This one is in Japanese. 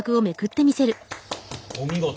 お見事！